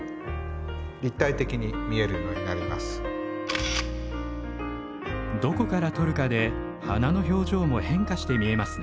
ポイントはどこから撮るかで花の表情も変化して見えますね。